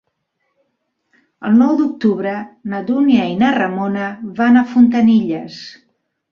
El nou d'octubre na Dúnia i na Ramona van a Fontanilles.